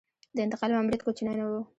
د انتقال ماموریت کوچنی نه و.